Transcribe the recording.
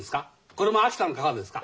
これも秋田の川ですか。